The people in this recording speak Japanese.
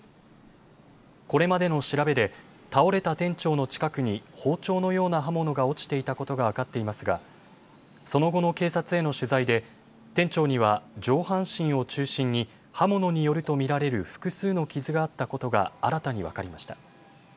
これまでの調べで倒れた店長の近くに包丁のような刃物が落ちていたことが分かっていますがその後の警察への取材で店長には上半身を中心に刃物によると見られる複数の傷があったことが新たに分かりました。